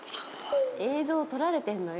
「映像撮られてんのよ」